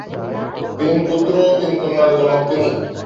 তিন পুত্র ও তিন কন্যার জনক তিনি।